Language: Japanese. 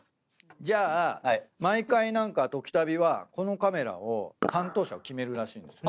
じゃあ毎回『トキタビ』はこのカメラの担当者を決めるらしいんですよ。